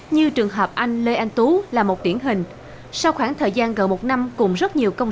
như trường hợp anh lê anh tú là một điển hình sau khoảng thời gian gần một năm cùng rất nhiều công